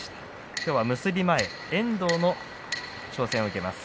今日は結び前遠藤の挑戦を受けます。